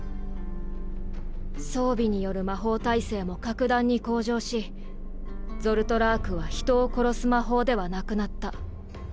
装備による魔法耐性も格段に向上しゾルトラークは人を殺す魔法ではなくなった。